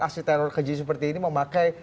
aksi teror keji seperti ini memakai